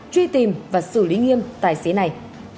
truy tìm và xử lý nghiêm tài xế này